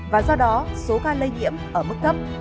và do đó số ca lây nhiễm ở mức thấp